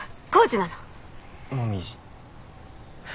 紅葉。